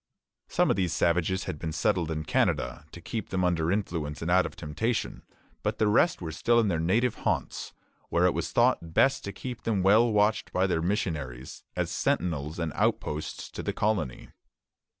Some of these savages had been settled in Canada, to keep them under influence and out of temptation; but the rest were still in their native haunts, where it was thought best to keep them well watched by their missionaries, as sentinels and outposts to the colony.